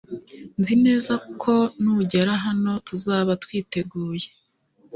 nzi neza ko nugera hano, tuzaba twiteguye